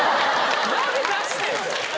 何で出してんの。